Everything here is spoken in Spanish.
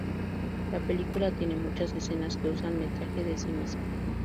La película tiene muchas escenas que usan metraje de sí misma.